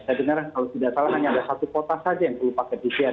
saya dengar kalau tidak salah hanya ada satu kota saja yang perlu pakai pcr